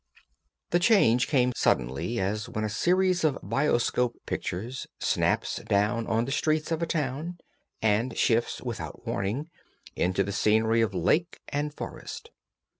The change came suddenly, as when a series of bioscope pictures snaps down on the streets of a town and shifts without warning into the scenery of lake and forest.